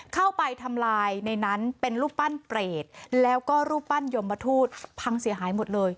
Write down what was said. เข้าไปทำลายในนั้นเป็นรูปปั้นเปรตแล้วก็รูปปั้นยมทูตพังเสียหายหมดเลย